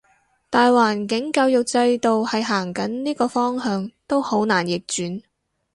大環境教育制度係行緊呢個方向，都好難逆轉